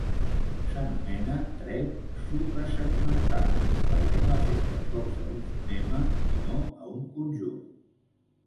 S'anomena tret suprasegmental perquè no afecta sols a un fonema sinó a un conjunt.